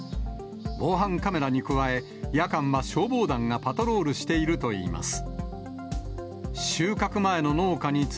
防犯カメラに加え、夜間は消防団がパトロールしているといいます。